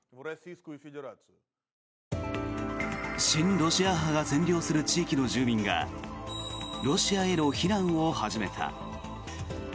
親ロシア派が占領する地域の住民がロシアへの避難を始めた。